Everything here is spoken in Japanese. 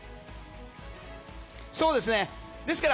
そうですね。